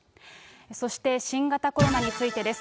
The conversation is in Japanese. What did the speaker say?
そして新型コロナについてです。